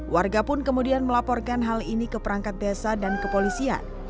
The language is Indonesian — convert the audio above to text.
warga pun kemudian melaporkan hal ini ke perangkat desa dan kepolisian